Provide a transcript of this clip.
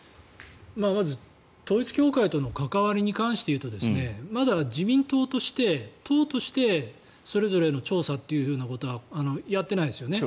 まず統一教会との関わりに関して言うとまだ自民党として、党としてそれぞれの調査ということはやってないですよね。